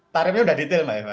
tarifnya sudah detail mbak eva